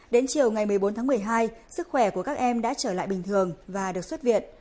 đến chiều ngày một mươi bốn tháng một mươi hai sức khỏe của các em đã trở lại bình thường và được xuất viện